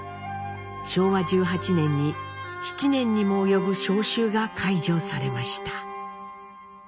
昭和１８年に７年にも及ぶ召集が解除されました。